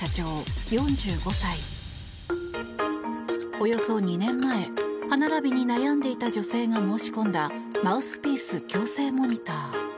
およそ２年前歯並びに悩んでいた女性が申し込んだマウスピース矯正モニター。